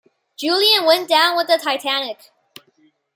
Julian went down with the "Titanic".